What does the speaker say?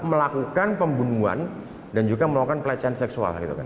melakukan pembunuhan dan juga melakukan pelecehan seksual